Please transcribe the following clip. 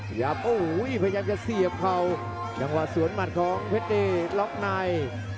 พยายามจะเสียบเขาอย่างว่าสวนหมัดของเพชรเนย์ล็อกไนท์